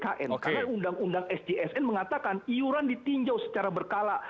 karena undang undang sjsn mengatakan iuran ditinjau secara berkala